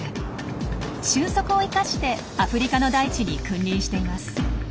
俊足を生かしてアフリカの大地に君臨しています。